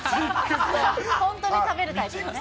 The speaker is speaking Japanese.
本当に食べるタイプのね。